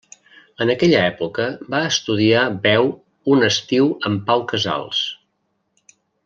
En aquella època va estudiar veu un estiu amb Pau Casals.